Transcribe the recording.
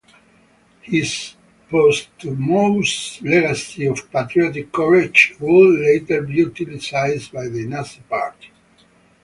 His posthumous legacy of patriotic courage would later be utilised by the Nazi Party.